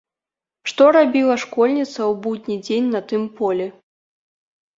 Што рабіла школьніца ў будні дзень на тым полі?